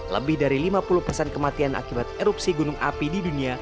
lebih dari lima puluh pesan kematian akibat erupsi gunung api di dunia